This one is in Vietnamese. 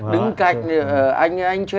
đứng ở cạnh